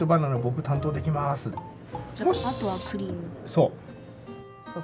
そう。